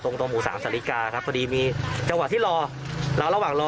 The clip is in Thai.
ตรงตรงหมู่สามสาฬิกาครับพอดีมีจังหวะที่รอรอระหว่างรอ